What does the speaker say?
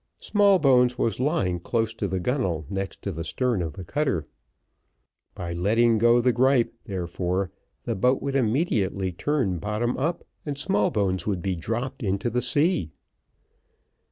Smallbones was lying close to the gunnel next to the stern of the cutter. By letting go the gripe, therefore, the boat would immediately turn bottom up, and Smallbones would be dropped into the sea.